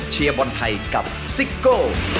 เชียร์บอลไทยกับซิโก้